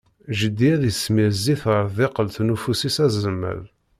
Jeddi ad d-ismir zzit ɣer tdikelt n ufus-is azelmaḍ.